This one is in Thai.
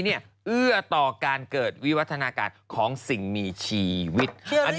เอื้อต่อการเกิดวิวัฒนาการของสิ่งมีชีวิต